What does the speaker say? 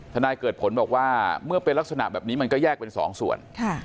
นายเกิดผลบอกว่าเมื่อเป็นลักษณะแบบนี้มันก็แยกเป็นสองส่วน